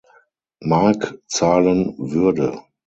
Mark zahlen würde.